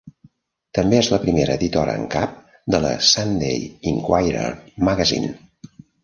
També és la primera editora en cap de la Sunday Inquirer Magazine.